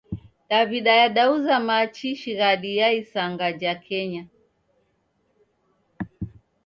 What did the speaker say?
Daw'ida yadauza machi shighadi ya isanga ja kenya.